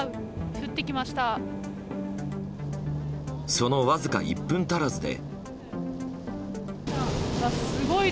そのわずか１分足らずで。